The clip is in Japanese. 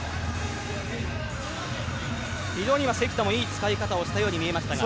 非常に関田もいい使い方をしたように見えましたが。